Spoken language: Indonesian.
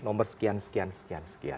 nomor sekian sekian sekian sekian